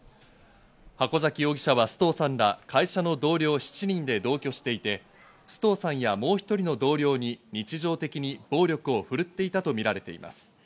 箱崎容疑者は須藤さんら会社の同僚７人で同居していて、須藤さんや、もう１人の同僚に日常的に暴力を振るっていたとみられています。